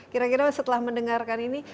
kira kira setelah mendengarkan ini